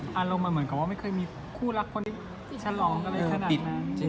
อารมณ์เหมือนกับไม่เคยมีคู่รักชอลองกันเล้วขนาดนั้น